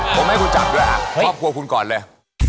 ผมให้คุณจับด้วยครอบครัวคุณก่อนเลย